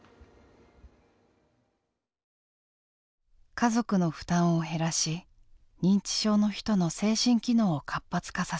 家族の負担を減らし認知症の人の精神機能を活発化させる。